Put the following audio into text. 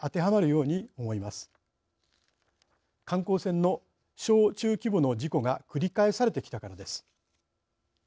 観光船の小中規模の事故が繰り返されてきたからです。